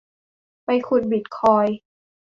ไปขุดบิตคอยน์